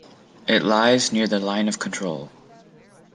It lies near the Line of Control.